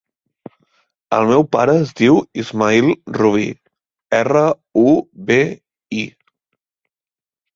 El meu pare es diu Ismaïl Rubi: erra, u, be, i.